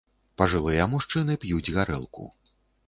Пажылыя мужчыны п'юць гарэлку.